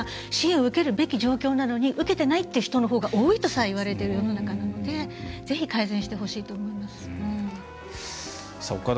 支援を受けるべきでも受けてないって人のほうが多いとさえ言われている世の中なのでぜひ改善してほしいと思います。